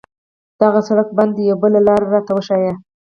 دغه سړک بند ده، یوه بله لار راته وښایه.